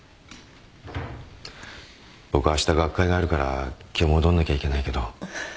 僕はあした学会があるから今日戻んなきゃいけないけど。